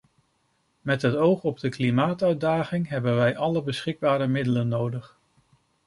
Met het oog op de klimaatuitdaging hebben wij alle beschikbare middelen nodig.